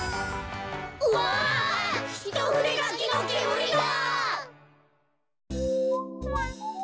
うわひとふでがきのけむりだ。